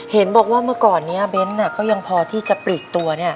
เห็นบอกว่าเมื่อก่อนนี้เบ้นก็ยังพอที่จะปลีกตัว